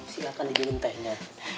silahkan digelintai nya